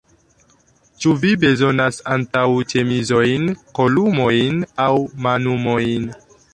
Ĉu vi bezonas antaŭĉemizojn, kolumojn aŭ manumojn?